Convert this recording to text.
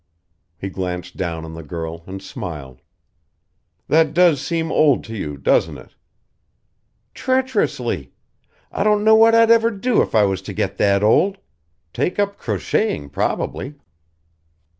He glanced down on the girl and smiled. "That does seem old to you, doesn't it?" "Treacherously! I don't know what I'd ever do if I was to get that old. Take up crocheting, probably."